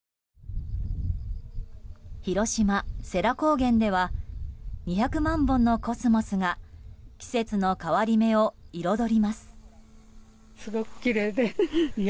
広島・世羅高原では２００万本のコスモスが季節の変わり目を彩ります。